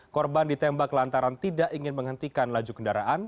korban ditembak lantaran tidak ingin menghentikan laju kendaraan